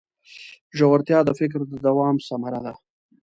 ژورتیا د فکر د دوام ثمره ده.